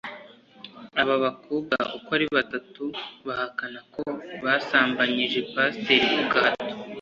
Aba bakobwa uko ari batatu bahakana ko basambanyije Pasiteri ku gahato